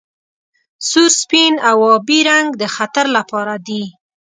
سور سپین او ابي رنګ د خطر لپاره دي.